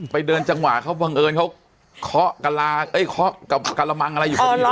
ไปเดินจังหวะเขาบังเอิญเขาเคาะกะลาเอ้ยเคาะกะละมังอะไรอยู่ข้างนี้